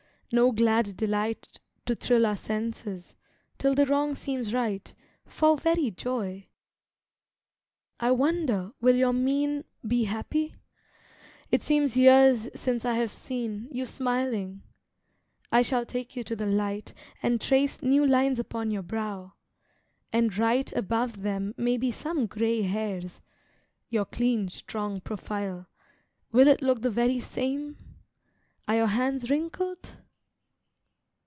no glad delight To thrill our senses, till the wrong seems right, For very joy—I wonder will your mien Be happy? it seems years since I have seen You smiling! I shall take you to the light, And trace new lines upon your brow, and right Above them may be some gray hairs, your clean Strong profile, will it look the very same? Are your hands wrinkled?